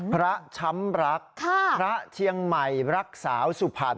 พระช้ำลักพระเชียงใหม่รักสาวสุภัน